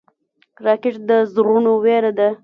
راکټ د زړونو وېره ده